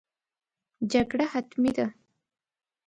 جګړه حتمي ده.